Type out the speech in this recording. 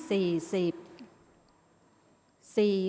ออกรางวัลที่๖